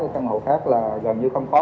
ở căn hộ khác là gần như không có